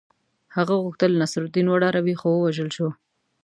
هغه غوښتل نصرالدین وډاروي خو ووژل شو.